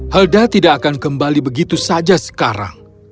helda tidak akan kembali begitu saja sekarang